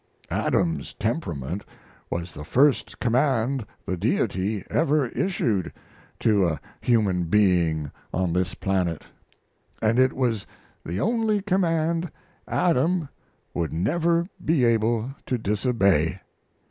Adam's temperament was the first command the Deity ever issued to a human being on this planet. And it was the only command Adam would never be able to disobey.